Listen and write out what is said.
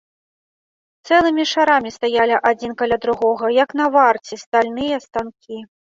Цэлымі шарамі стаялі адзін каля другога, як на варце, стальныя станкі.